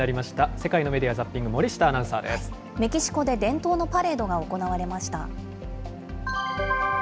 世界のメディア・ザッピング、森メキシコで伝統のパレードが行われました。